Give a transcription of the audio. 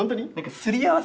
すり合わせ？